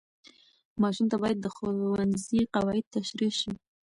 ماشوم ته باید د ښوونځي قواعد تشریح شي.